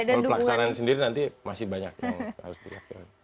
dan pelaksanaan sendiri nanti masih banyak yang harus diakses